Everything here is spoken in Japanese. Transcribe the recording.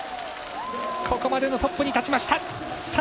ここまでのトップに立ちました。